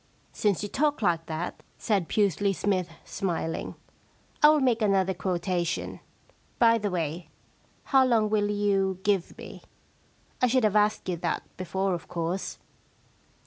* Since you talk like that,' said Pusely Smythe, sm.iling. * I will make another quotation. By the way, how long will you P.c. 141 K The Problem Club give me ? I should have asked you that before, of course.'